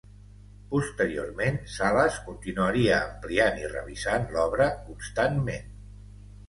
Posteriorment, Sales continuaria ampliant i revisant l'obra constantment.